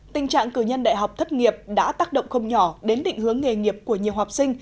tình trạng cử nhân đại học thất nghiệp đã tác động không nhỏ đến định hướng nghề nghiệp của nhiều học sinh